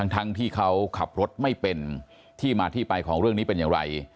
ที่เขาขับรถไม่เป็นที่มาที่ไปของเรื่องนี้เป็นอย่างไร